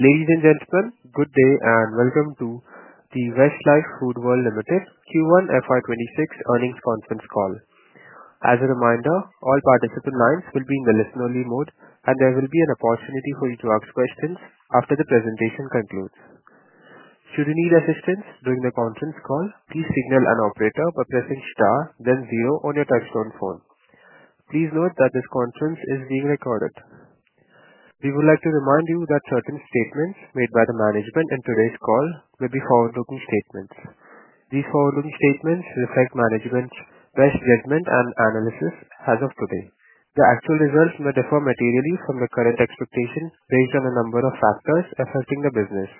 Ladies and gentlemen, good day and welcome to the Westlife Foodworld Ltd Q1 FY 2026 earnings conference call. As a reminder, all participant lines will be in the listen-only mode, and there will be an opportunity for you to ask questions after the presentation concludes. Should you need assistance during the conference call, please signal an operator by pressing star then zero on your touch-tone phone. Please note that this conference is being recorded. We would like to remind you that certain statements made by the management in today's call will be forward-looking statements. These forward-looking statements reflect management's best judgment and analysis as of today. The actual results may differ materially from the current expectations based on a number of factors affecting the business.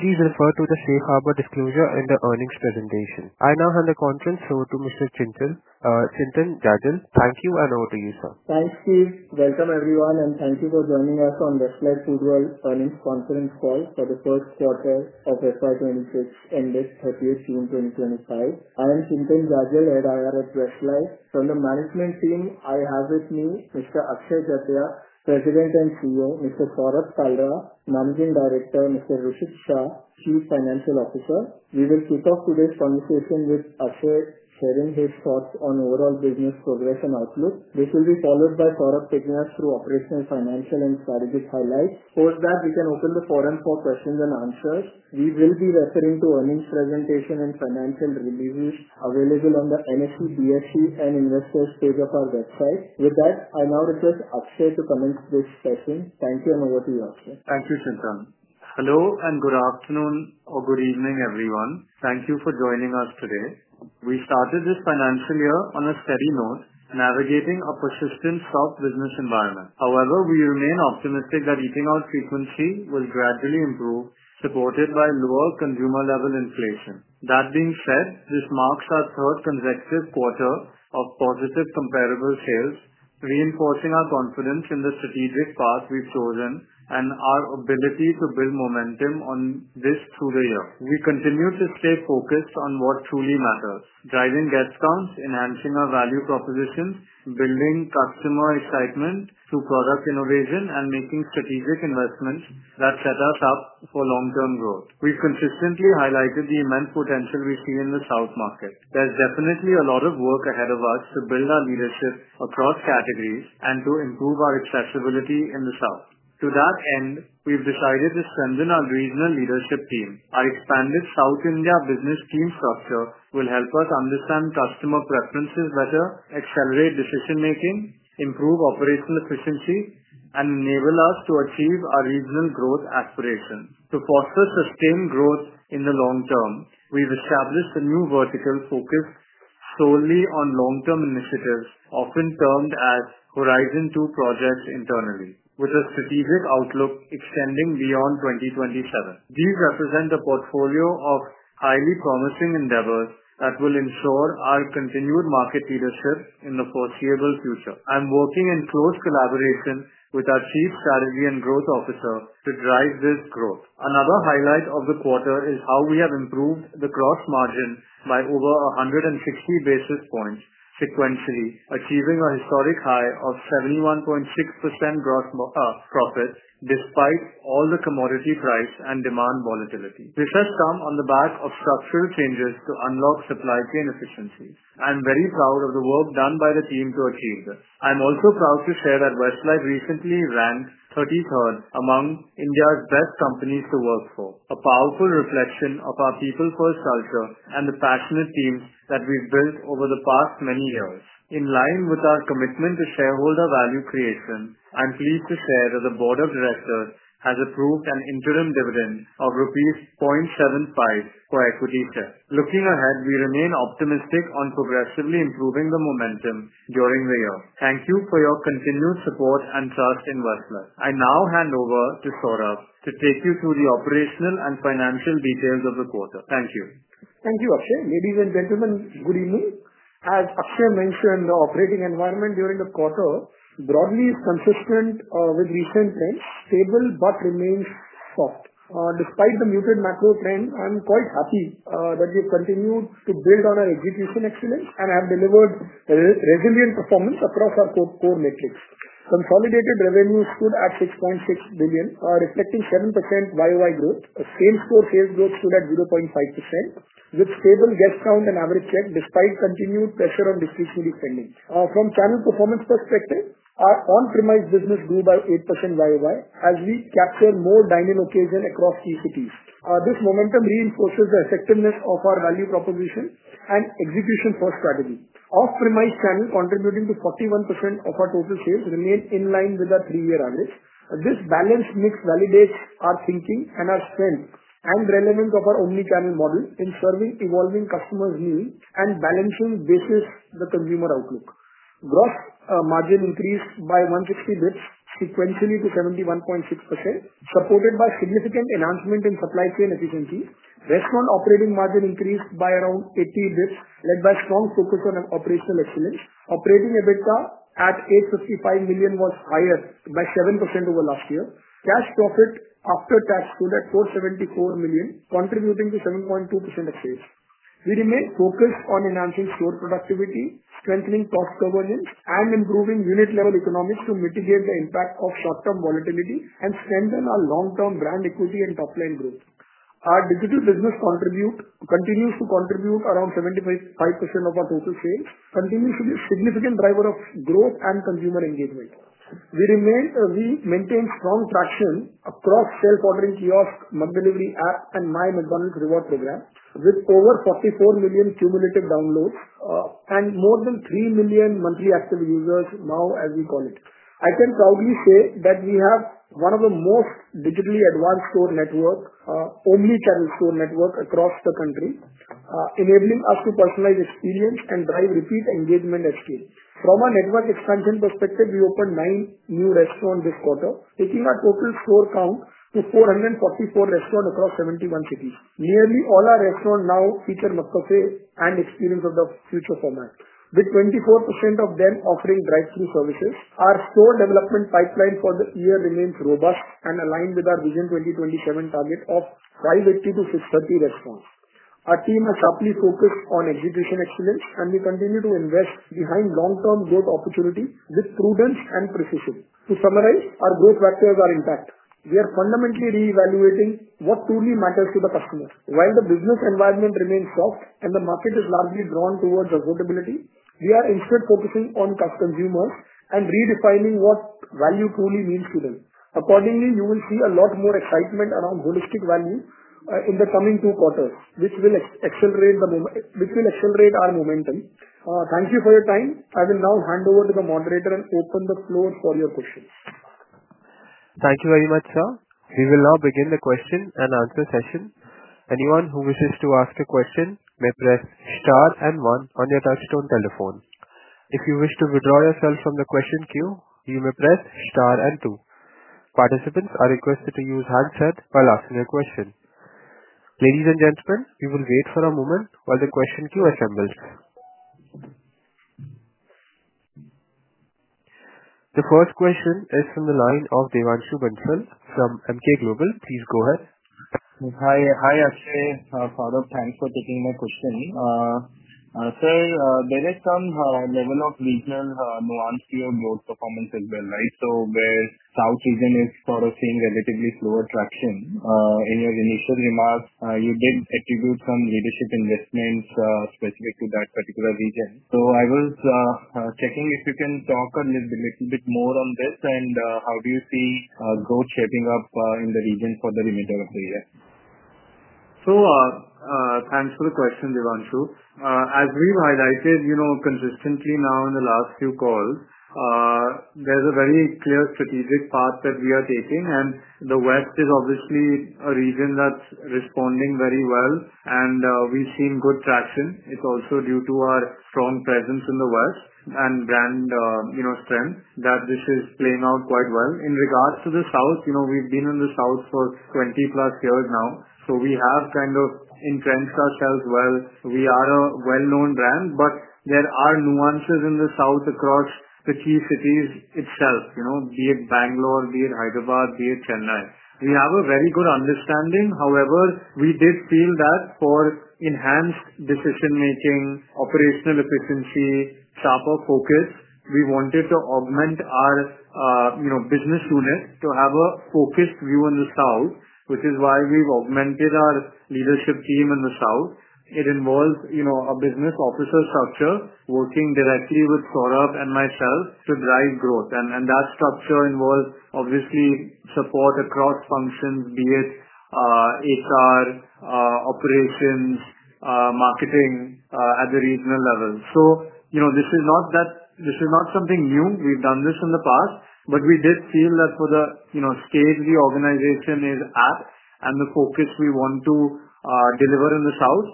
Please refer to the safe harbor disclosure in the earnings presentation. I now hand the conference over to Mr. Chintan Jajal. Thank you and over to you, sir. Thanks, Steve. Welcome everyone, and thank you for joining us on the Westlife Foodworld earnings conference call for the first quarter of FY 2026 ending 30th June 2025. I am Chintan Jajal, Head IR at Westlife. From the management team, I have with me Mr. Akshay Jatia, President and CEO, Mr. Saurabh Kalra, Managing Director, and Mr. Hrushit Shah, Chief Financial Officer. We will kick off today's conversation with Akshay sharing his thoughts on overall business progress and outlook, which will be followed by Saurabh taking us through operational, financial, and strategic highlights. Before that, we can open the forum for questions and answers. We will be referring to earnings presentation and financial reviews available on the NFPBSC and Investcourse page of our website. With that, I now request Akshay to commence this session. Thank you and over to you, Akshay. Thank you, Chintan. Hello and good afternoon or good evening, everyone. Thank you for joining us today. We started this financial year on a steady note, navigating a persistent soft business environment. However, we remain optimistic that eating out frequency will gradually improve, supported by lower consumer-level inflation. That being said, this marks our third consecutive quarter of positive comparable sales, reinforcing our confidence in the strategic path we've chosen and our ability to build momentum on this through the year. We continue to stay focused on what truly matters: driving guest counts, enhancing our value propositions, building customer excitement through product innovation, and making strategic investments that set us up for long-term growth. We've consistently highlighted the immense potential we see in the South market. There's definitely a lot of work ahead of us to build our leadership across categories and to improve our accessibility in the South. To that end, we've decided to strengthen our regional leadership team. Our expanded South India business team structure will help us understand customer preferences better, accelerate decision-making, improve operational efficiency, and enable us to achieve our regional growth aspirations. To foster sustained growth in the long term, we've established a new vertical focused solely on long-term initiatives, often termed as Horizon 2 projects internally, with a strategic outlook extending beyond 2027. These represent a portfolio of highly promising endeavors that will ensure our continued market leadership in the foreseeable future. I'm working in close collaboration with our Chief Strategy and Growth Officer to drive this growth. Another highlight of the quarter is how we have improved the gross margin by over 160 basis points sequentially, achieving a historic high of 71.6% gross profits despite all the commodity price and demand volatility. This has come on the back of structural changes to unlock supply chain efficiencies. I'm very proud of the work done by the team to achieve this. I'm also proud to say that Westlife recently ranked 33rd among India's best companies to work for, a powerful reflection of our people-first culture and the passionate teams that we've built over the past many years. In line with our commitment to shareholder value creation, I'm pleased to share that the Board of Directors has approved an interim dividend of rupees 0.75 per equity share. Looking ahead, we remain optimistic on progressively improving the momentum during the year. Thank you for your continued support and trust in Westlife. I now hand over to Saurabh to take you through the operational and financial details of the quarter. Thank you. Thank you, Akshay. Ladies and gentlemen, good evening. As Akshay mentioned, the operating environment during the quarter broadly is consistent with recent trends, stable but remains soft. Despite the muted macro trend, I'm quite happy that we've continued to build on our execution excellence and have delivered resilient performance across our core metrics. Consolidated revenues stood at 6.6 billion, reflecting 7% YoY growth. Sales growth stood at 0.5%, with stable guest count and average share despite continued pressure on distribution spending. From channel performance perspective, our on-premise business grew by 8% YoY as we captured more dining occasions across three cities. This momentum reinforces the effectiveness of our value proposition and execution for strategy. Off-premise channel contributed to 41% of our total sales, remaining in line with our three-year average. This balanced mix validates our thinking and our strengths and the relevance of our omnichannel model in serving evolving customers' needs and balancing versus the consumer outlook. Gross margin increased by 160 basis points sequentially to 71.6%, supported by significant enhancement in supply chain efficiency. Restaurant operating margin increased by around 80 basis points, led by a strong focus on operational excellence. Operating EBITDA at 855 million was higher by 7% over last year. Cash profits after tax stood at 474 million, contributing to 7.2% exchange. We remain focused on enhancing store productivity, strengthening cost governance, and improving unit-level economics to mitigate the impact of short-term volatility and strengthen our long-term brand equity and top-line growth. Our digital business continues to contribute around 75% of our total sales, continues to be a significant driver of growth and consumer engagement. We maintain strong traction across self-ordering kiosks, McDelivery app, and My McDonald's Rewards program, with over 44 million cumulative downloads and more than 3 million monthly active users now, as we call it. I can proudly say that we have one of the most digitally advanced store networks, omnichannel store networks across the country, enabling us to personalize experience and drive repeat engagement at scale. From our network expansion perspective, we opened nine new restaurants this quarter, taking our total store count to 444 restaurants across 71 cities. Nearly all our restaurants now feature McCafé and Experience of the Future format, with 24% of them offering drive-thru services. Our store development pipeline for the year remains robust and aligned with our Vision 2027 target of 580-630 restaurants. Our team is sharply focused on execution excellence, and we continue to invest behind long-term growth opportunities with prudence and precision. To summarize, our growth factors are intact. We are fundamentally reevaluating what truly matters to the customer. While the business environment remains soft and the market is largely drawn towards affordability, we are instead focusing on customers and redefining what value truly means to them. Accordingly, you will see a lot more excitement around holistic value in the coming two quarters, which will accelerate our momentum. Thank you for your time. I will now hand over to the moderator and open the floor for your questions. Thank you very much, sir. We will now begin the question and answer session. Anyone who wishes to ask a question may press star one on your touch-tone telephone. If you wish to withdraw yourself from the question queue, you may press star two. Participants are requested to use handsets while asking a question. Ladies and gentlemen, we will wait for a moment while the question queue assembles. The first question is from the line of Devanshu Bansal from Emkay Global. Please go ahead. Hi, Akshay. Saurabh, thanks for taking my question. Sir, there is some level of regional nuance to your growth performance as well, right? Where South region is sort of seeing relatively slower traction. In your initial remarks, you did attribute some leadership investments specific to that particular region. I was checking if you can talk a little bit more on this and how do you see growth shaping up in the region for the remainder of the year? Thanks for the question, Devanshu. As we've highlighted consistently now in the last few calls, there's a very clear strategic path that we are taking, and the West is obviously a region that's responding very well. We've seen good traction. It's also due to our strong presence in the West and brand strength that this is playing out quite well. In regards to the South, we've been in the South for 20+ years now, so we have kind of entrenched ourselves well. We are a well-known brand, but there are nuances in the South across the key cities itself, be it Bangalore, be it Hyderabad, be it Chennai. We have a very good understanding. However, we did feel that for enhanced decision-making, operational efficiency, sharper focus, we wanted to augment our business unit to have a focused view in the South, which is why we've augmented our leadership team in the South. It involves a business officer structure working directly with Saurabh and myself to drive growth. That structure involves support across functions, be it HR, operations, marketing, at the regional level. This is not something new. We've done this in the past, but we did feel that for the scale the organization is at and the focus we want to deliver in the South,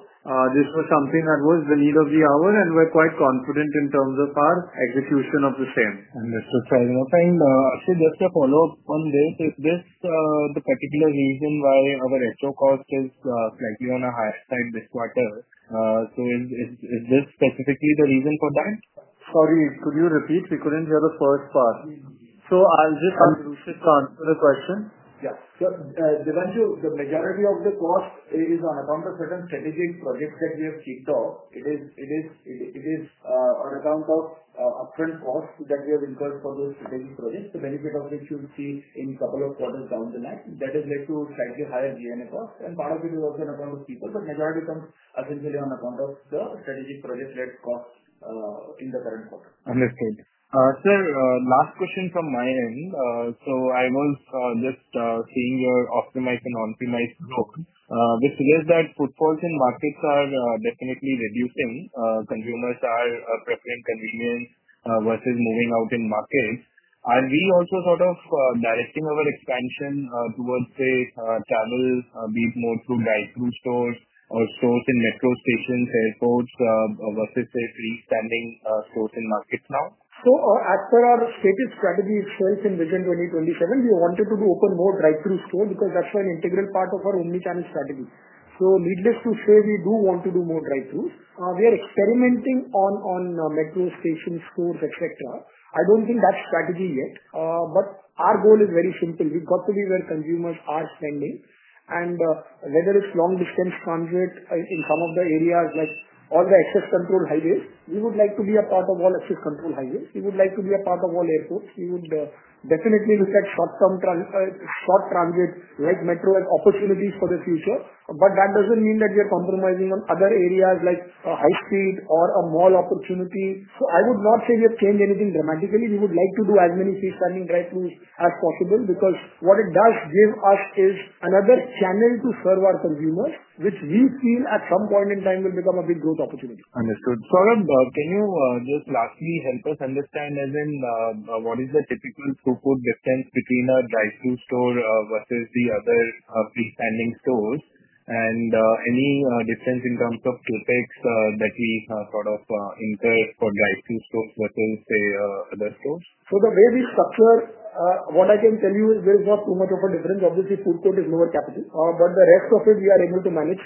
this was something that was the need of the hour, and we're quite confident in terms of our execution of the same. This is a solid amount of time. Just a follow-up on this. Is this the particular reason why our restaurant cost is slightly on the higher side this quarter? Is this specifically the reason for that? Sorry, could you repeat? We couldn't hear the first part. I'll just continue to answer the question. Yeah. Devanshu, the majority of the cost is on certain strategic projects that we have kicked off. It is a result of upfront costs that we have incurred for those strategic projects. The benefit of which you'll see in a couple of quarters down the line, that has led to slightly higher G&A costs. Part of it is also on the cost of people, but the majority comes essentially on account of the strategic projects that cost in the current quarter. Understood. Sir, last question from my end. I was just seeing your optimized and optimized joke. With figures that footfalls in markets are definitely reducing. Consumers are preferring convenience versus moving out in markets. Are we also sort of directing our expansion towards this travel, be it more through drive-thru stores or growth in metro stations, airports, offices, and standing stores in markets now? As per our strategy, first in Vision 2027, we wanted to open more drive-thru stores because that's an integral part of our omnichannel strategy. Needless to say, we do want to do more drive-thrus. We are experimenting on metro stations, stores, etc. I don't think that's strategy yet. Our goal is very simple. We've got to be where consumers are trending. Whether it's long-distance transit in some of the areas, like all the access control highways, we would like to be a part of all access control highways. We would like to be a part of all airports. We would definitely look at short-term transit with metro as opportunities for the future. That doesn't mean that we are compromising on other areas like a high street or a mall opportunity. I would not say we have changed anything dramatically. We would like to do as many seat standing drive-thrus as possible because what it does give us is another channel to serve our consumers, which we feel at some point in time will become a big growth opportunity. Understood. Saurabh, can you just lastly help us understand, as in what is the typical food court distance between our drive-thru store versus the other seat standing stores? Any difference in terms of CapEx that we sort of incur for drive-thru stores versus, say, other stores? The way we structure, what I can tell you is there's not too much of a difference. Obviously, food court is lower capital. The rest of it, we are able to manage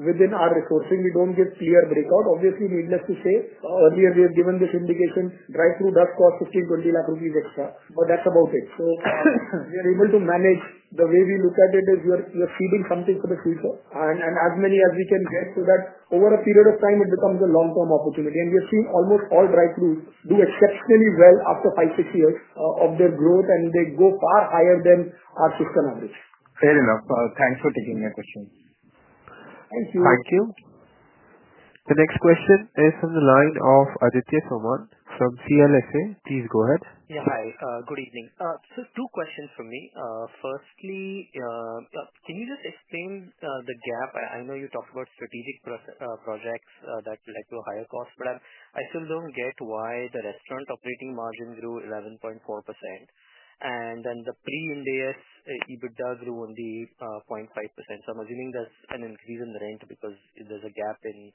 within our resourcing. We don't give clear breakout. Obviously, needless to say, earlier we have given this indication, drive-thru does cost 1.5 lakh-2.0 lakh rupees extra. That's about it. We are able to manage. The way we look at it is you're feeding something to the future. As many as we can get so that over a period of time, it becomes a long-term opportunity. We have seen almost all drive-thrus do exceptionally well after five, six years of their growth, and they go far higher than our customer average. Fair enough. Thanks for taking that question. Thank you. Thank you. The next question is from the line of Aditya Soman from CLSA. Please go ahead. Yeah, hi. Good evening. Sir, two questions from me. Firstly, can you just explain the gap? I know you talked about strategic projects that led to a higher cost, but I still don't get why the restaurant operating margin grew 11.4% and then the pre-IndAS EBITDA grew only 0.5%. I'm assuming there's an increase in the range because there's a gap in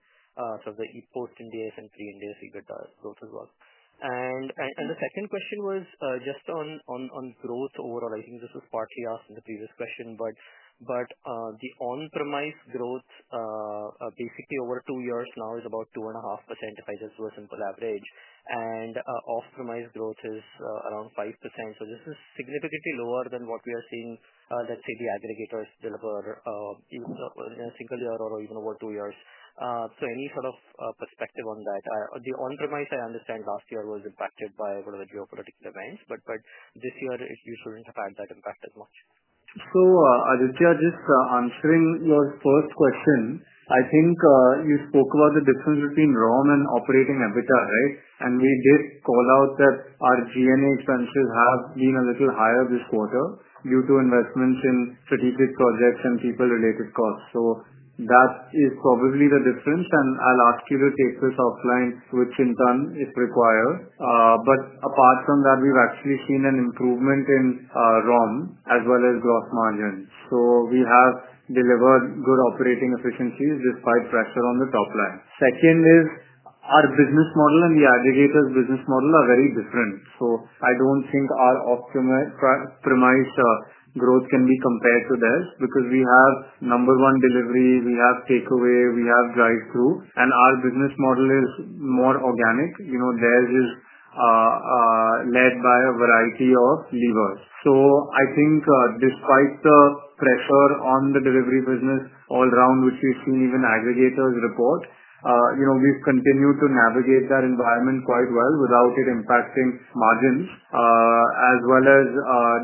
sort of the post-Ind AS and pre-Ind AS EBITDA growth as well. The second question was just on growth overall. I think this was partly asked in the previous question, but the on-premise growth, basically over two years now is about 2.5% if I just do a simple average. Off-premise growth is around 5%. This is significantly lower than what we are seeing, let's say, the aggregators deliver even a single year or even over two years. Any sort of perspective on that? The on-premise, I understand last year was impacted by a lot of the geopolitical events, but this year you shouldn't have had that impact as much. Aditya, just answering your first question, I think you spoke about the difference between ROM and operating EBITDA, right? We did call out that our GNL expenses have been a little higher this quarter due to investments in strategic projects and people-related costs. That is probably the difference. I'll ask you to take this offline with Chintan if required. Apart from that, we've actually seen an improvement in ROM as well as gross margins. We have delivered good operating efficiencies despite pressure on the top line. Second is our business model and the aggregator's business model are very different. I don't think our optimized growth can be compared to theirs because we have number one delivery, we have takeaway, we have drive-thru, and our business model is more organic. Theirs is led by a variety of levers. I think despite the pressure on the delivery business all around, which we've seen even aggregators report, we've continued to navigate that environment quite well without it impacting margins, as well as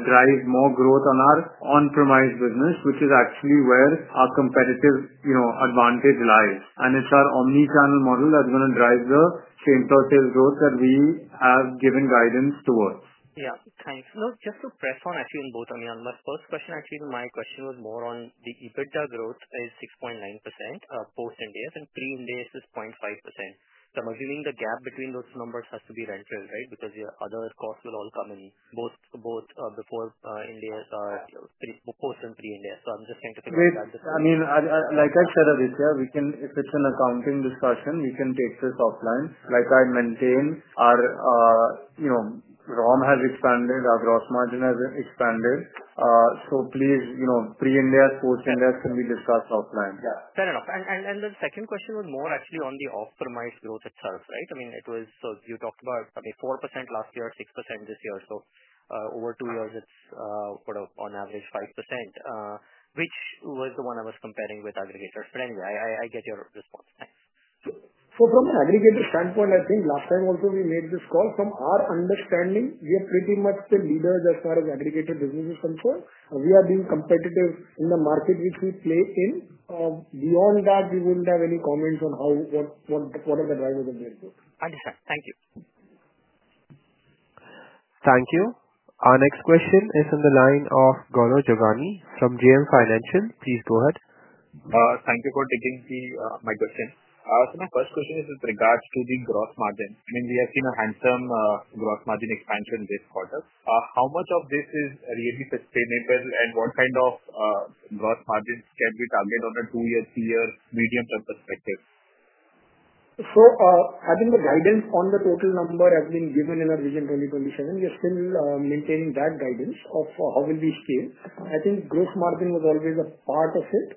drive more growth on our on-premise business, which is actually where our competitive advantage lies. It's our omnichannel model that's going to drive the structural growth that we have given guidance towards. Yeah, thanks. Just to press on, actually, in both, I mean, on my first question, actually, my question was more on the EBITDA growth is 6.9% post-IND AS and pre-INDAS is 0.5%. I'm assuming the gap between those numbers has to be relative, right? Because your other costs will all come in both, both before INDAS, post and pre-INDAS. I'm just trying to figure it out. I mean, like I said, Aditya, if it's an accounting discussion, we can take this offline. Like I'd maintain, our, you know, ROM has expanded, our gross margin has expanded. Please, you know, pre-INDAS, post-IN.AS can be discussed offline. Yeah, fair enough. The second question was more actually on the off-premise growth itself, right? I mean, it was, as you talked about, 4% last year, 6% this year. Over two years, it's put up on average 5%, which was the one I was comparing with aggregators. Anyway, I get your response. From an aggregator standpoint, I think last time also we made this call. From our understanding, we are pretty much the leaders as far as aggregator business is concerned. We are being competitive in the market which we place in. Beyond that, we wouldn't have any comments on how we get what are the drivers in this. Understood. Thank you. Thank you. Our next question is from the line of Gaurav Jogani from JM Financial. Please go ahead. Thank you for taking the microphone. My first question is with regards to the gross margin. I mean, we have seen a handsome gross margin expansion this quarter. How much of this is really sustainable, and what kind of gross margins can we target on a two-year, three-year medium-term perspective? The guidance on the total number has been given in our Vision 2027. We are still maintaining that guidance of how will we scale. I think gross margin was always a part of it.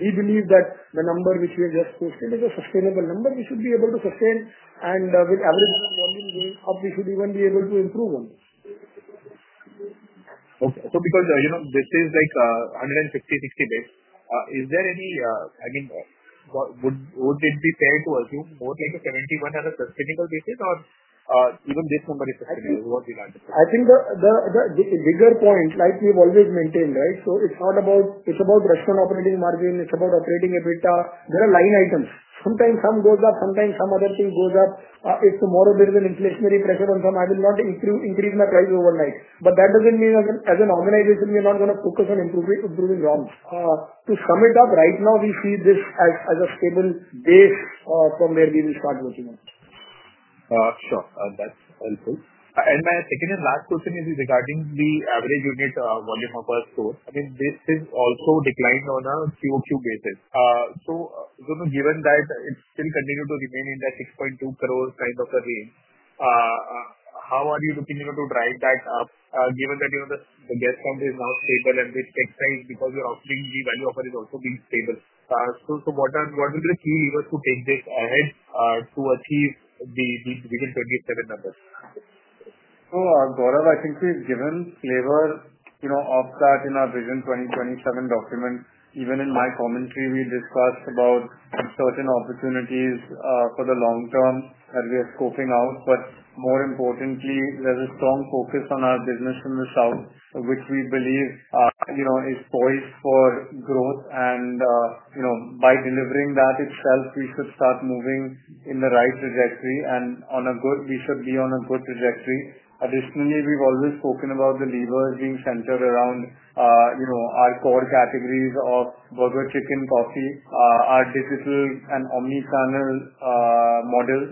We believe that the number which we are just posting is a sustainable number. We should be able to sustain, and with average volume going up, we should even be able to improve on. Okay. Because, you know, this is like 160, 60 basis. Is there any, I mean, would it be fair to assume both like the 71 are the specific cases or even this number is specific to what we are? I think this is a valid point, like we've always maintained, right? It's not about, it's about restaurant operating margin. It's about operating EBITDA. There are line items. Sometimes some goes up, sometimes some other thing goes up. If tomorrow there is an inflationary pressure on some, I will not increase my price overnight. That doesn't mean as an organization we're not going to focus on improving ROM. To sum it up, right now we see this as a stable base from where we will start working on. Sure. That's helpful. My second and last question is regarding the average unit volume of our store. I mean, this has also declined on a QoQ basis. Given that it's still continued to remain in that 6.2 crore kind of a range, how are you looking to drive that up given that the guest count is now stable and it stays because your offering, the value offer, is also being stable? What are the key levers to take this ahead to achieve the Vision 2027 numbers? Gaurav, I think we've given flavor of that in our Vision 2027 document. Even in my commentary, we discuss certain opportunities for the long term that we are scoping out. More importantly, there's a strong focus on our business in the South, which we believe is poised for growth. By delivering that itself, we should start moving in the right trajectory and we should be on a good trajectory. Additionally, we've always spoken about the levers being centered around our core categories of burger, chicken, coffee, our digital and omnichannel model.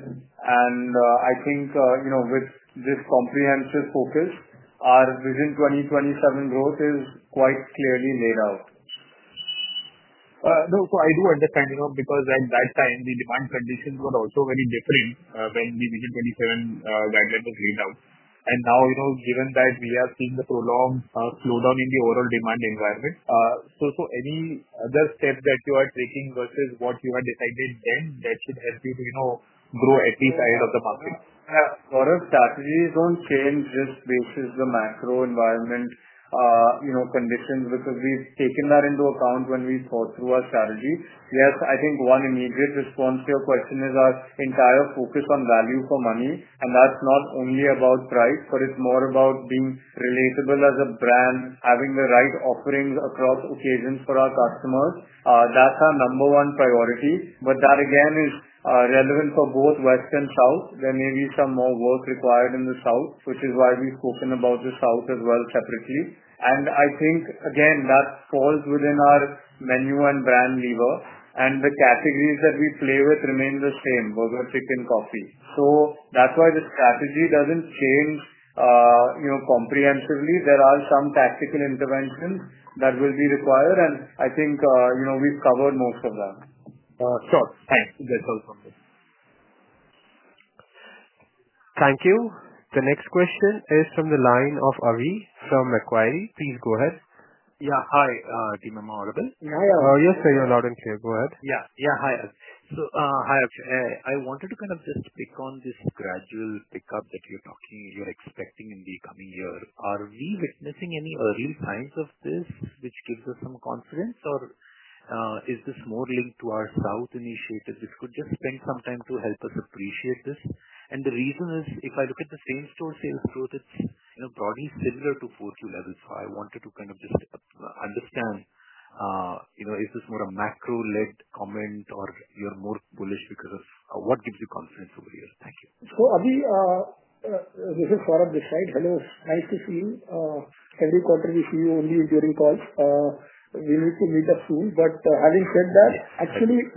I think with this comprehensive focus, our Vision 2027 growth is quite clearly laid out. I do understand your thought because at that time, the demand conditions were also very different when the Vision 2027 guideline was laid out. Now, given that we have seen the prolonged slowdown in the overall demand environment, are there any other steps that you are taking versus what you were deciding then that should help you to grow at least ahead of the market? Our strategy is on change-based basis, the macro environment, you know, conditions, because we've taken that into account when we thought through our strategy. Yes, I think one immediate response to your question is our entire focus on value for money. That's not only about price, but it's more about being relatable as a brand, having the right offerings across occasions for our customers. That's our number one priority. That again is relevant for both West and South. There may be some more work required in the South, which is why we've spoken about the South as well separately. I think, again, that falls within our menu and brand lever. The categories that we play with remain the same, burger, chicken, coffee. That's why the strategy doesn't change, you know, comprehensively. There are some tactical interventions that will be required. I think, you know, we've covered most of that. Sure. Thanks. Thank you. The next question is from the line of Avi from Macquarie. Please go ahead. Yeah, hi. Am I audible? Yes, sir. You're loud and clear. Go ahead. Hi, Akshay. I wanted to kind of just pick on this gradual pickup that you're talking you're expecting in the coming year. Are we witnessing any early signs of this, which gives us some confidence, or is this more linked to our South initiative? If you could just spend some time to help us appreciate this. The reason is, if I look at the same-store sales growth, it's probably similar to fourth quarter two levels. I wanted to kind of just understand, you know, is this more a macro-led comment or you're more bullish because of what gives you confidence over the years? Avi, this is Saurabh this side. Hello. Nice to see you. I really comprehend seeing you only during call. We need to meet up soon. Having said that,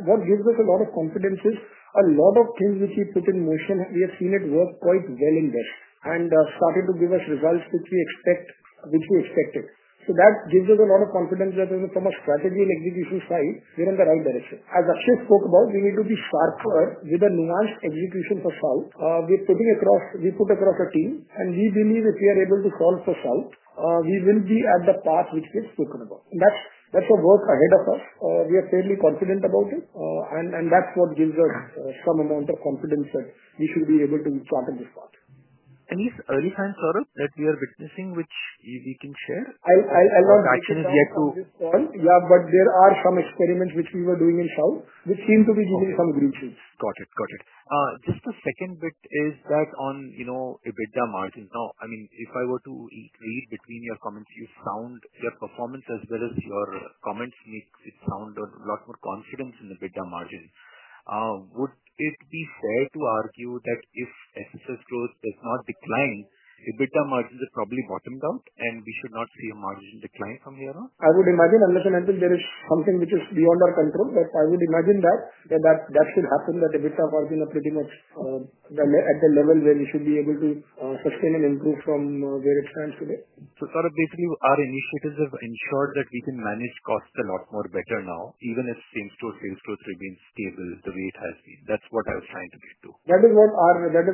what gives us a lot of confidence is a lot of things which we put in motion. We have seen it work quite well in this and started to give us results which we expected. That gives us a lot of confidence whether from a strategy and execution side, we're in the right direction. As Akshay spoke about, we need to be sharper with a nuanced execution for South. We're putting across, we put across a team, and we believe if we are able to solve for South, we will be at the path which we have spoken about. That's the work ahead of us. We are fairly confident about it. That's what gives us some amount of confidence that we should be able to sharpen this part. Any early signs, Saurabh, that we are witnessing which we can share? I'm not an expert yet to this point. Yeah, there are some experiments which we were doing in South, which seem to be doing some great things. Got it. Just the second bit is that on, you know, EBITDA margin. Now, I mean, if I were to read between your comments, you sound your performance as well as your comments make it sound a lot more confident in EBITDA margin. Would it be fair to argue that if excess growth does not decline, EBITDA margins are probably bottomed out and we should not see a margin decline from here on? I would imagine, unless and until there is something which is beyond our control, I would imagine that should happen, that EBITDA margin is pretty much at the level where we should be able to sustain and improve from where it stands today. Your initiatives have ensured that we can manage costs a lot more better now, even if same-store sales growth remains stable the way it has been. That's what I was trying to get to. That is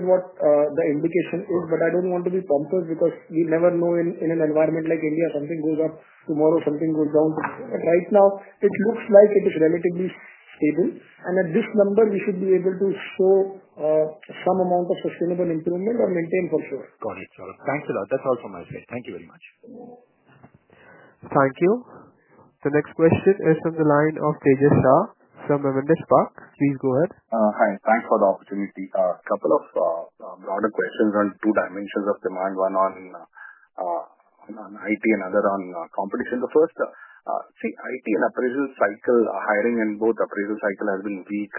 what the indication is. I don't want to be pompous because you never know in an environment like India, something goes up, tomorrow something goes down. Right now, it looks like it is relatively stable. At this number, we should be able to show some amount of sustainable improvement and maintain for growth. Got it, Saurabh. Thanks a lot. That's all from my side. Thank you very much. Thank you. The next question is from the line of Tejash Shah from Avendus Spark. Please go ahead. Hi. Thanks for the opportunity. A couple of broader questions on two dimensions of demand, one on IT and another on competition. The first, IT and appraisal cycle, hiring in both appraisal cycles has been weak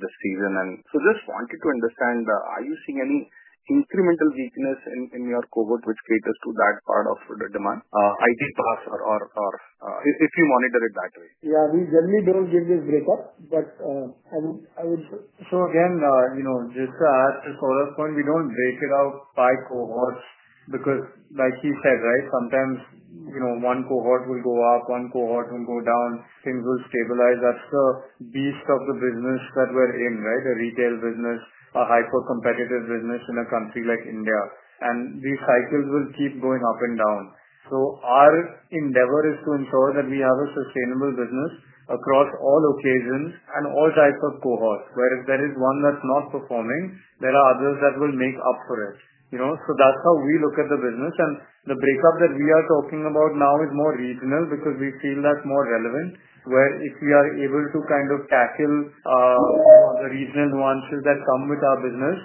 this season. Just wanted to understand, are you seeing any incremental weakness in your cohort which caters to that part of the demand? IT parts are, if you monitor it that way. Yeah, we generally don't see this breakup. I would show again, just to add to Saurabh's point, we don't break it out by cohort because, like he said, sometimes one cohort will go up, one cohort will go down, things will stabilize. That's the beast of the business that we're in, right? A retail business, a hyper-competitive business in a country like India. These cycles will keep going up and down. Our endeavor is to ensure that we have a sustainable business across all occasions and all types of cohorts. Where if there is one that's not performing, there are others that will make up for it. That's how we look at the business. The breakup that we are talking about now is more regional because we've seen that more relevant, where if we are able to kind of tackle the regional nuances that come with our business,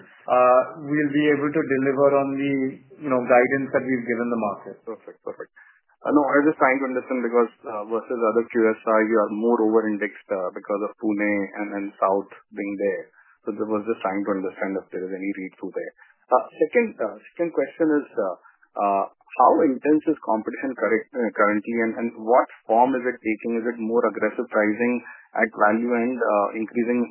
we'll be able to deliver on the guidance that we've given the market. Perfect. I know I was just trying to understand because, versus other QSRs, you are more over-indexed because of Pune and then South being there. I was just trying to understand if there is any read-through there. Second question is, how intense is competition currently and what form is it taking? Is it more aggressive pricing at value and increasing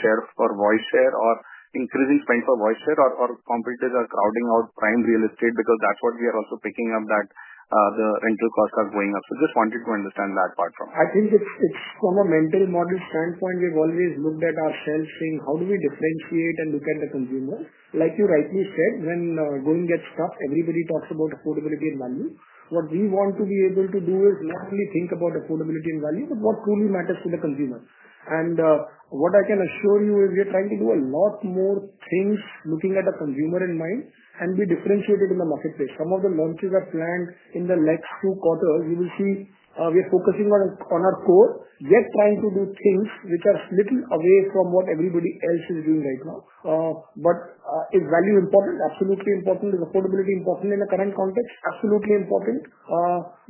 share for voice share or increasing spend for voice share, or competitors are crowding out prime real estate because that's what we are also picking up, that the rental costs are going up? I just wanted to understand that part from you. I think it's from a mental model standpoint, we've always looked at ourselves saying, how do we differentiate and look at the consumer? Like you rightly said, when going gets tough, everybody talks about affordability and value. What we want to be able to do is not only think about affordability and value, but what truly matters to the consumer. What I can assure you is we're trying to do a lot more things looking at the consumer in mind and be differentiated in the marketplace. Some of the launches are planned in the next two quarters. You will see we're focusing on our core. We are trying to do things which are a little away from what everybody else is doing right now. Is value important? Absolutely important. Is affordability important in the current context? Absolutely important.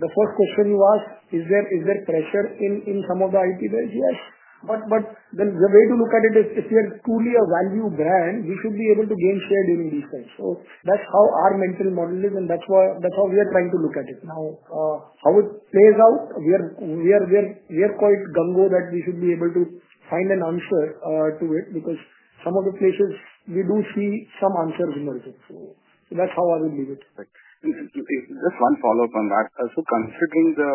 The first question you asked, is there pressure in some of the IT that is here? The way to look at it is if you're truly a value brand, you should be able to gain share during these things. That's how our mental model is and that's how we are trying to look at it. Now, how it plays out, we are quite gung ho that we should be able to find an answer to it because some of the places we do see some answers in ourselves. That's how I would leave it. Thanks. Just one follow-up on that. Considering the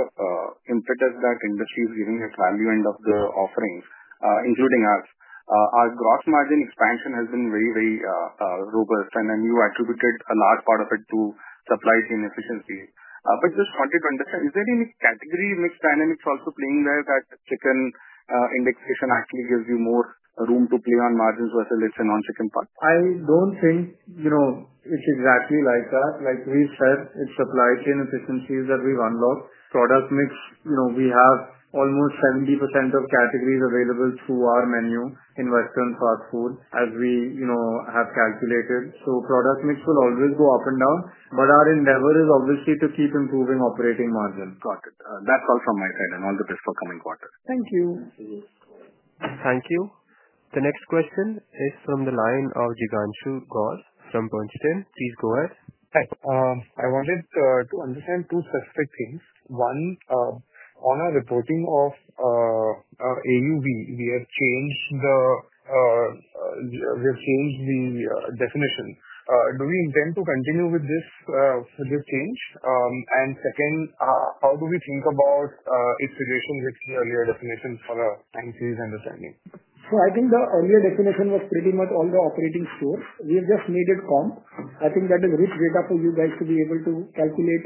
impetus that industry is giving its value end of the offerings, including us, our gross margin expansion has been very, very robust. You attributed a large part of it to supply chain efficiency. I just wanted to understand, is there any category in which dynamics are also playing there, that chicken indexation actually gives you more room to play on margins versus if it's a non-chicken product? I don't think it's exactly like that. Like we said, it's supply chain efficiencies that we've unlocked. Product mix, we have almost 70% of categories available through our menu in Westlife Foodworld as we have calculated. Product mix will always go up and down, but our endeavor is obviously to keep improving operating margin. Got it. That's all from my side. All the best for the coming quarter. Thank you. Thank you. The next question is from the line of Jignanshu Gor from Bernstein. Please go ahead. Hi. I wanted to understand two specific things. One, on our reporting of AUV, we have changed the definition. Do we intend to continue with this further change? Second, how do we think about its relation with the earlier definition for our NC's understanding? I think the earlier definition was pretty much all the operating stores. We have just made it comp. I think that is rich data for you guys to be able to calculate.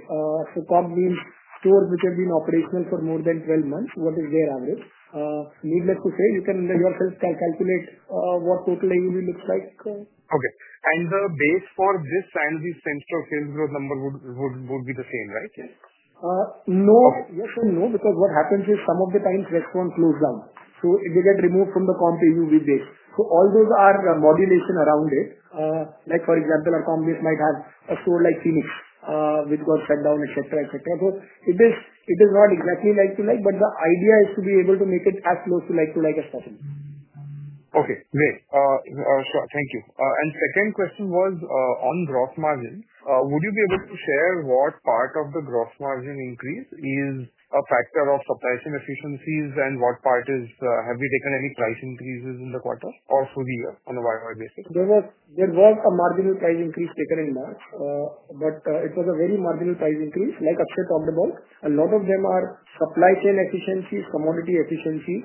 Comp means stores which have been operational for more than 12 months. What is their average? Needless to say, you can yourself calculate what total AUV looks like. Okay. The base for this time, the central sales number would be the same, right? Yes and no, because what happens is some of the times restaurants close down. They get removed from the comp to AUV base. All those are modulations around it. For example, a comp base might have a store like Phoenix, which got shut down, etc., etc. It is not exactly like to like, but the idea is to be able to make it as close to like to like as possible. Okay. Great. Thank you. The second question was on gross margin. Would you be able to share what part of the gross margin increase is a factor of supply chain efficiencies and what part is, have we taken any price increases in the quarter or through the year on a wider basis? There was a marginal price increase taken in March, but it was a very marginal price increase, like Akshay talked about. A lot of them are supply chain efficiencies, commodity efficiencies,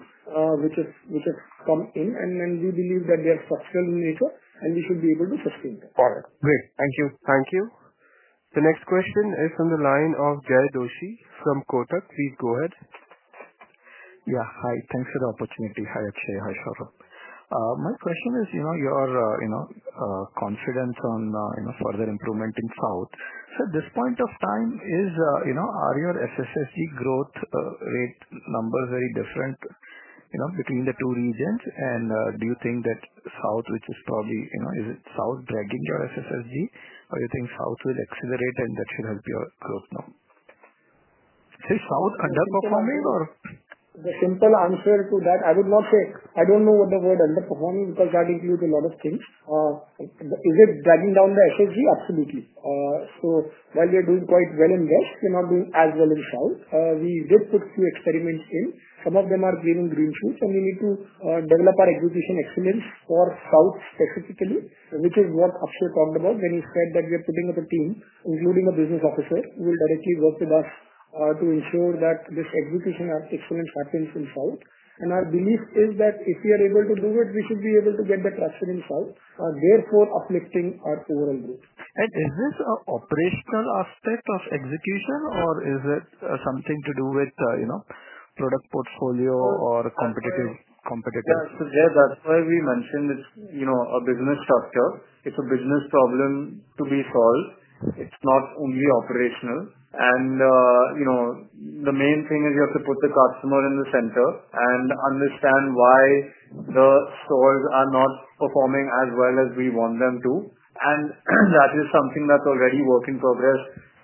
which have come in, and we believe that they are structurally neutral, and we should be able to sustain them. Got it. Great. Thank you. Thank you. The next question is from the line of Jay Doshi from Kotak. Please go ahead. Yeah, hi. Thanks for the opportunity. Hi, Akshay. Hi, Saurabh. My question is, you know, your confidence on further improvement in South. At this point of time, are your SSSG growth rate numbers very different between the two regions? Do you think that South, which is probably, is it South dragging your SSSG? Do you think South will accelerate and that will help your growth now? I'd say South underperforming, or? The simple answer to that, I would not say. I don't know about the word underperforming because you're adding to a lot of things. Is it dragging down the SSSG? Absolutely. While you're doing quite well in West, you're not doing as well in South. We did put a few experiments in. Some of them are gaining green shoots, and we need to develop our execution excellence for South specifically, which is what Akshay talked about when he said that we are putting up a team, including a Business Officer who will directly work with us to ensure that this execution excellence happens in South. Our belief is that if we are able to do it, we should be able to get the trust in South, therefore uplifting our overall growth. Is this an operational aspect of execution, or is it something to do with, you know, product portfolio or competitive competition? Yeah, there. That's why we mentioned it's, you know, a business factor. It's a business problem to be solved. It's not only operational. The main thing is you have to put the customer in the center and understand why the stores are not performing as well as we want them to. That is something that's already a work in progress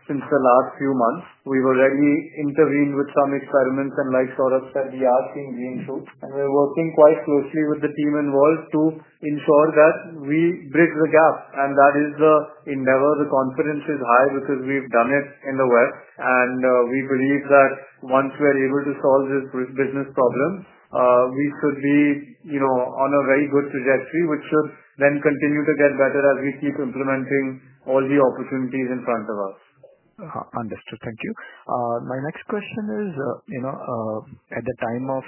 since the last few months. We've already intervened with some experiments and like Saurabh said, we are seeing green shoots. We're working quite closely with the team involved to ensure that we bridge the gap. That is the endeavor. The confidence is high because we've done it in the West. We believe that once we're able to solve this business problem, we should be on a very good trajectory, which should then continue to get better as we keep implementing all the opportunities in front of us. Understood. Thank you. My next question is, at the time of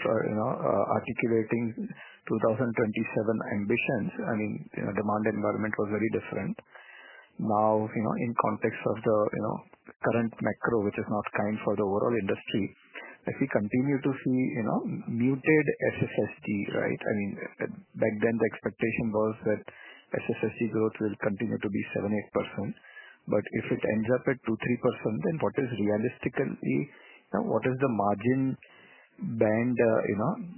articulating Vision 2027 ambitions, the demand environment was very different. Now, in context of the current macro, which is not kind for the overall industry, as we continue to see muted same-store sales growth, right? Back then, the expectation was that same-store sales growth will continue to be 7%-8%. If it ends up at 2%-3%, then what is realistically, what is the margin band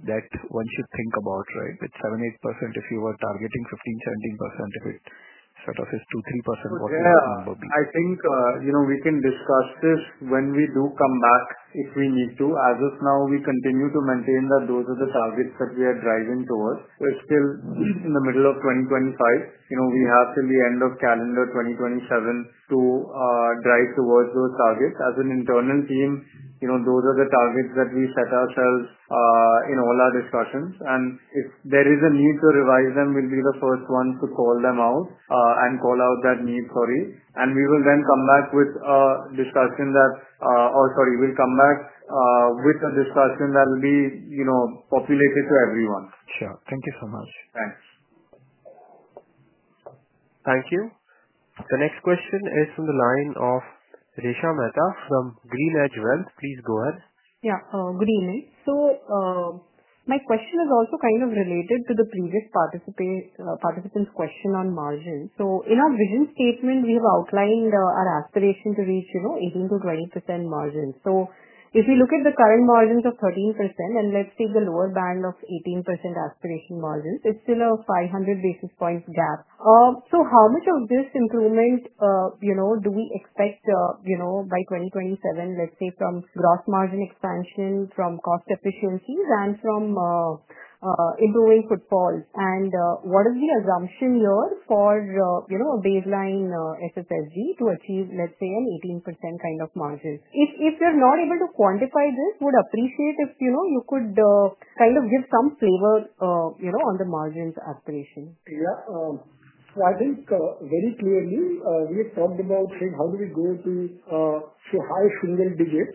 that one should think about, right? At 7%-8%, if you were targeting 15%-17%, if it is 2%-3%, whatever. I think we can discuss this when we do come back if we need to. As of now, we continue to maintain that those are the targets that we are driving towards. We're still in the middle of 2025. We have till the end of calendar 2027 to drive towards those targets. As an internal team, those are the targets that we set ourselves in all our discussions. If there is a need to revise them, we'll be the first ones to call them out and call out that need, sorry. We will then come back with a discussion that will be populated to everyone. Sure, thank you so much. Thanks. Thank you. The next question is from the line of Resha Mehta from Green Edge Wealth. Please go ahead. Yeah. Good evening. My question is also kind of related to the previous participant's question on margins. In our vision statement, we have outlined our aspiration to reach, you know, 18%-20% margins. If we look at the current margins of 13%, and take the lower band of 18% aspiration margins, it's still a 500 basis points gap. How much of this improvement do we expect, you know, by 2027, let's say, from gross margin expansion, from cost efficiencies, and from improving footfalls? What is the assumption here for, you know, a baseline SSSG to achieve, let's say, an 18% kind of margin? If you're not able to quantify this, would appreciate if, you know, you could kind of give some flavor, you know, on the margins aspiration. Yeah. I think very clearly, we have strong demands saying how do we go to a so high single digit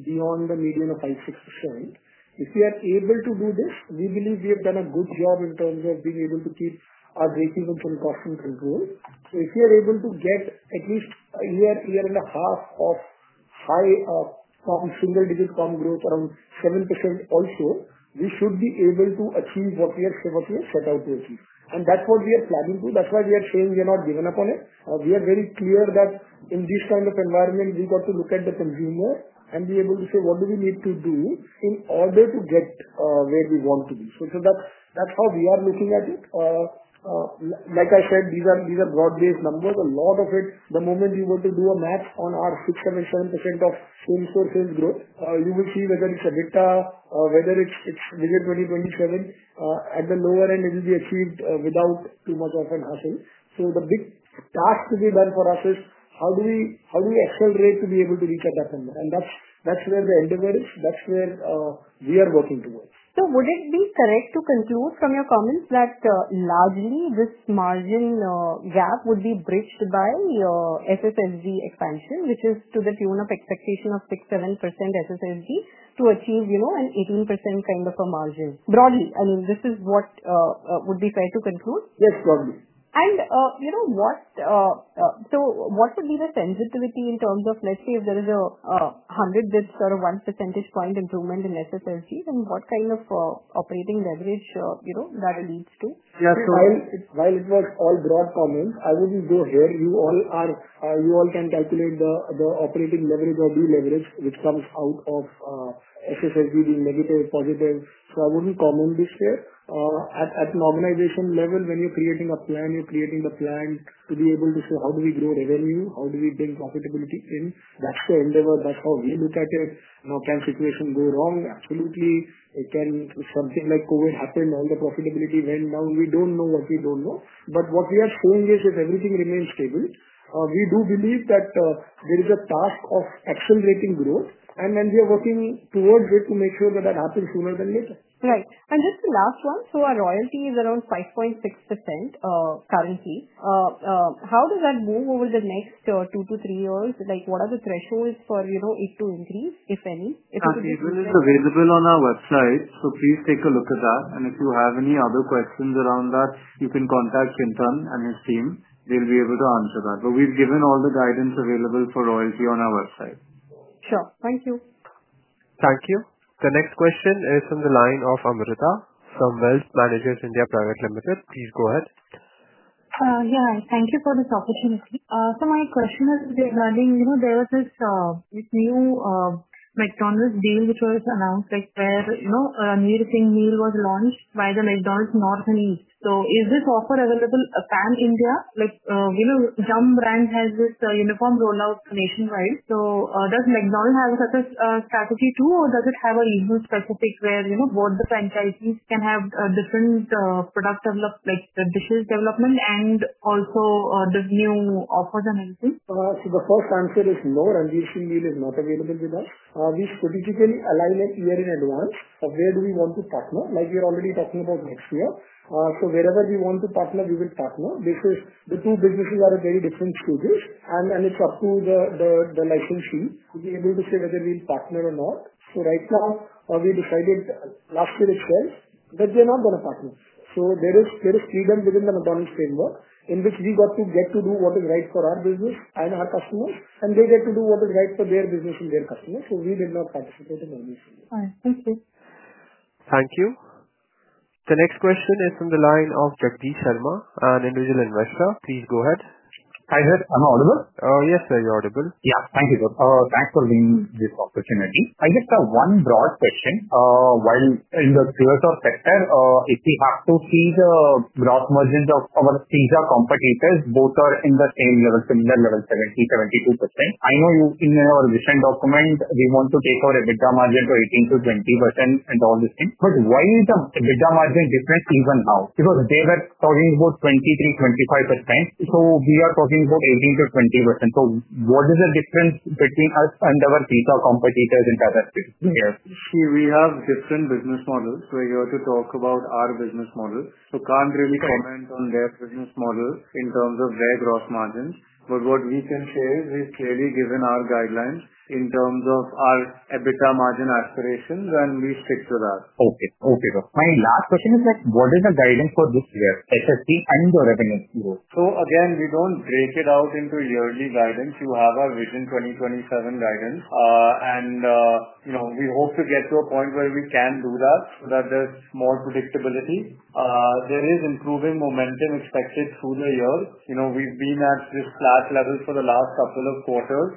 beyond the median of 5%-6%. If we are able to do this, we believe we have done a good job in terms of being able to keep our breakeven from cost and control. If we are able to get at least a year, year and a half of high, single-digit comp growth around 7% also, we should be able to achieve what we are set out to achieve. That's what we are planning to. That's why we are saying we are not giving up on it. We are very clear that in this kind of environment, we've got to look at the consumer and be able to show what do we need to do in order to get where we want to be. That's how we are looking at it. Like I said, these are broad-based numbers. A lot of it, the moment we want to do a math on our 6%-7% of same-store sales growth, you will see whether it's data, whether it's Vision 2027. At the lower end, it will be achieved without too much often happening. The big task to be done for us is how do we accelerate to be able to reach at that number? That's where the endeavor is. That's where we are working towards. Would it be correct to conclude from your comments that largely this margin gap would be bridged by SSSG expansion, which is to the tune of expectation of 6%-7% SSSG to achieve, you know, an 18% kind of a margin? Broadly, I mean, this is what would be fair to conclude? Yes, broadly. What would be the sensitivity in terms of, let's say, if there is a 100 basis points or a 1% improvement in same-store sales growth, then what kind of operating leverage does that lead to? Yeah. While it was all broad comments, as you do here, you all can calculate the operating leverage or blue leverage, which comes out of SSSG being negative or positive. I wouldn't comment this here. At an organization level, when you're creating a plan, you're creating the plan to be able to show how do we grow revenue, how do we bring profitability in, what's the endeavor, that's how we look at it. Can situation go wrong? Absolutely. It can be something like COVID happened, all the profitability went down. We don't know what we don't know. What we are saying is if everything remains stable, we do believe that there is a path of accelerating growth, and we are working towards it to make sure that that happens sooner than later. Right. Just the last one. Our royalty is around 5.6% currently. How does that move over the next two to three years? What are the thresholds for it to increase, if any? It is available on our website. Please take a look at that. If you have any other questions around that, you can contact Chintan Jajal and his team. They'll be able to answer that. We've given all the guidance available for royalty on our website. Sure. Thank you. Thank you. The next question is from the line of Amruta from Wells Managers India Private Limited. Please go ahead. Thank you for this opportunity. My question is regarding, you know, there was this new McDonald's deal which was announced, like where a new thing deal was launched by the McDonald's North and East. Is this offer available pan-India? Like, you know, Yum! brands have this uniform rollout nationwide. Does McDonald's have such a strategy too, or does it have a usual specific where, you know, both the franchisees can have different products of like the dishes development and also the new offers on anything? The first answer is no. Ranveer Singh Meal is not available with us. We strategically aligned it a year in advance of where we want to partner. Like we are already talking about North Shore. Wherever we want to partner, we will partner. These two businesses are in very different stages, and it's up to the licensure to be able to say whether we'll partner or not. Right now, we decided last year itself that we're not going to partner. There is freedom within the McDonald's framework in which we get to do what is right for our business and our customers, and they get to do what is right for their business and their customers. We did not participate in anything. I see. Thank you. The next question is from the line of Jagdish Sharma, an individual investor. Please go ahead. Hi, sir. Am I audible? Yes, sir, you're audible. Thank you, sir. Thanks for doing this opportunity. I just have one broad question. While in the QSR sector, if we have to see the gross margin of our teaser competitors, both are in the same level, similar level, 70%-72%. I know you in your vision document, we want to take our EBITDA margin to 18%-20% and all these things. Why is the EBITDA margin different even now? They were talking about 23%-25%. We are talking about 18%-20%. What is the difference between us and our teaser competitors in the other two years? We have different business models. You have to talk about our business model. Can't really comment on their business model in terms of their gross margins. What we can say is we've clearly given our guidelines in terms of our EBITDA margin aspirations, and we stick to that. Okay. Okay, sir. My last question is like, what is the guidance for this year's same-store sales growth and your revenue growth? We don't break it out into yearly guidance. You have our Vision 2027 guidance, and we hope to get to a point where we can do that, so that there's more predictability. There is improving momentum expected through the year. We've been at this flat level for the last couple of quarters.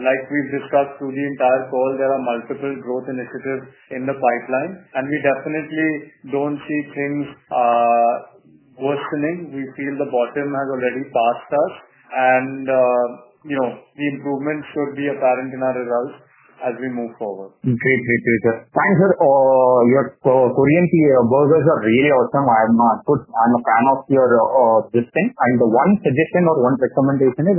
Like we've discussed through the entire call, there are multiple growth initiatives in the pipeline. We definitely don't see things worsening. We feel the bottom has already passed us, and the improvement should be apparent in our results as we move forward. Thank you, sir. Your Korean burgers are really awesome. I'm a fan of your, this thing. One suggestion or one recommendation is,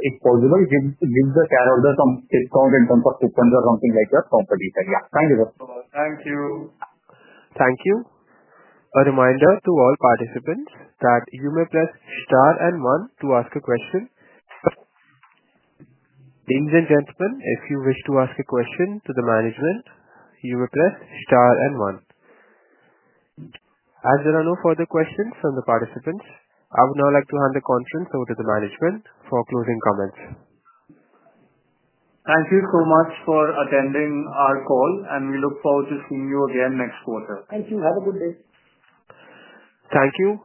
if possible, give the shareholders some discount in terms of coupons or something like that. Thank you, sir. Thank you. Thank you. A reminder to all participants that you may press star and one to ask a question. Ladies and gentlemen, if you wish to ask a question to the management, you may press star and one. As there are no further questions from the participants, I would now like to hand the conference over to the management for closing comments. Thank you so much for attending our call, and we look forward to seeing you again next quarter. Thank you. Have a good day. Thank you.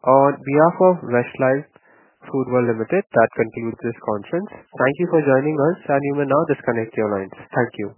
On behalf of Westlife Foodworld Ltd, that concludes this conference. Thank you for joining us, and you may now disconnect your lines. Thank you.